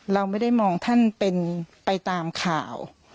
เราไม่ได้มองท่านเป็นไปตามข่าว